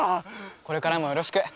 これからもよろしく。